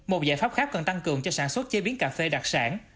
một giải pháp khác cần tăng cường cho sản xuất chế biến cà phê đặc sản